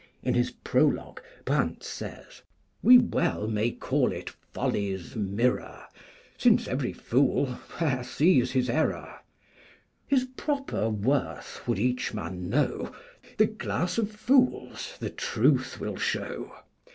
In his prologue Brandt says: "We well may call it Folly's mirror, Since every fool there sees his error: His proper worth would each man know, The glass of Fools the truth will show.